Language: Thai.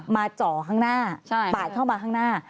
มาเจาะข้างหน้าต่ายเข้ามาข้างหน้า